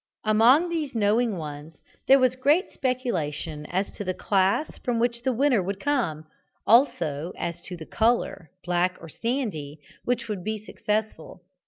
Among these knowing ones there was great speculation as to the class from which the winner would come, also as to the colour, black or sandy, which would be successful.